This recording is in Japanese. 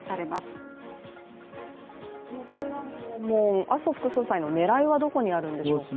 この台湾訪問、麻生副総裁の狙いはどこにあるんでしょうか？